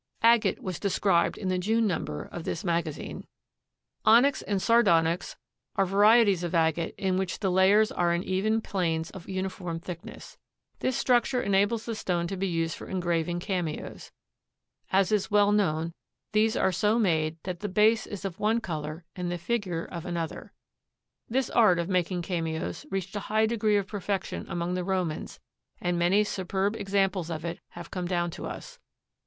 Agate was described in the June number of this magazine. Onyx and sardonyx are varieties of agate in which the layers are in even planes of uniform thickness. This structure enables the stone to be used for engraving cameos. As is well known, these are so made that the base is of one color and the figure of another. This art of making cameos reached a high degree of perfection among the Romans and many superb examples of it have come down to us.